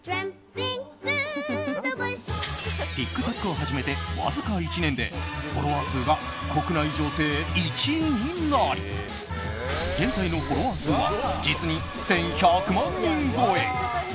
ＴｉｋＴｏｋを始めてわずか２年でフォロワー数が国内女性１位になり現在のフォロワー数は実に１１００万人超え。